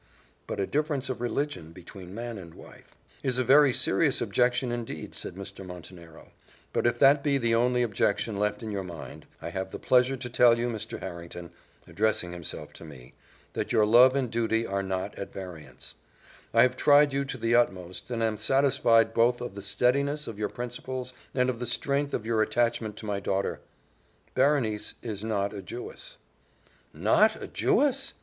But a difference of religion between man and wife " "Is a very serious objection indeed," said Mr. Montenero; "but if that be the only objection left in your mind, I have the pleasure to tell you, Mr. Harrington," addressing himself to me, "that your love and duty are not at variance: I have tried you to the utmost, and am satisfied both of the steadiness of your principles and of the strength of your attachment to my daughter Berenice is not a Jewess." "Not a Jewess!"